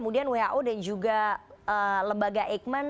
kemudian who dan juga lembaga eijkman